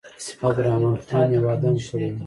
عبدالرحمن خان یو واده هم کړی وو.